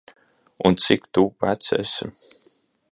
Un, cik tu vecs esi?